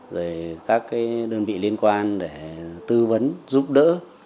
rồi các đơn vị liên quan để tư vấn giúp đỡ